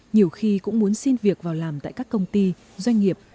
nhiều khi cũng muốn xin việc vào làm tại các công ty doanh nghiệp